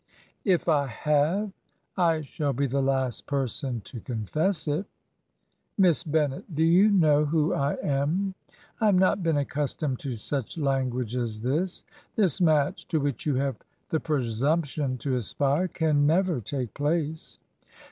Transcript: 'If I have, I shall be the last person to confess it. '' Miss Bennet, do you know who I am? I have not been accustomed to such lan guage as this. ... This match, to which you have the presumption to aspire, can never take place.